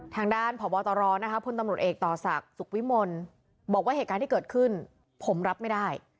ทางด้านพบตรพลตำรวจเอกต่อศักดิ์สุขวิมลบอกว่าเหตุการณ์ที่เกิดขึ้นผมรับไม่ได้